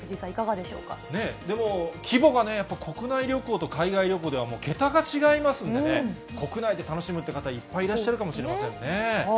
でも、規模がね、やっぱ国内旅行と海外旅行では桁が違いますんでね、国内で楽しむって方、いっぱいいらっしゃるかもしれませんね。